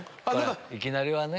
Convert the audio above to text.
いきなりはね。